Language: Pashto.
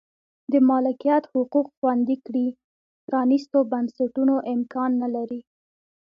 د مالکیت حقوق خوندي کړي پرانیستو بنسټونو امکان نه لري.